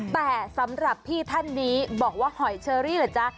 แต่สำหรับพี่ท่านนี้บอกว่าหอยเชอรี่เหรอจ๊ะ